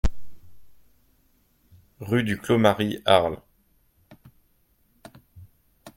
Rue du Clos Marie, Arles